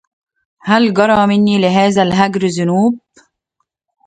هل جرى مني لذا الهجر ذنوب